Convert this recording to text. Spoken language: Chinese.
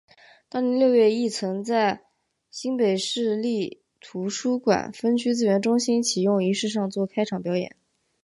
当年六月亦曾在新北市立图书馆分区资源中心启用仪式上做开场表演。